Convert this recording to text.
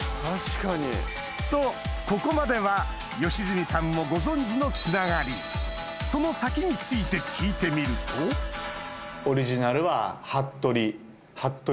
とここまでは良純さんもご存じのつながりその先について聞いてみるとそこに。という話をこの。